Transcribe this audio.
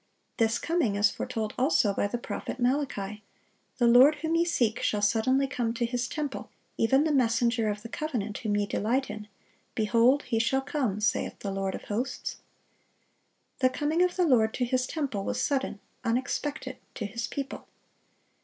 (696) This coming is foretold also by the prophet Malachi: "The Lord, whom ye seek, shall suddenly come to His temple, even the messenger of the covenant, whom ye delight in: behold, He shall come, saith the Lord of hosts."(697) The coming of the Lord to His temple was sudden, unexpected, to His people.